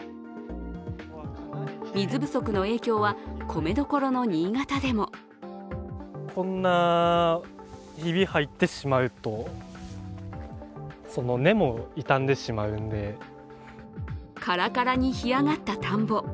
水不足の影響は米どころの新潟でもカラカラに干上がった田んぼ。